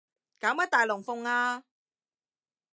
搞乜大龍鳳啊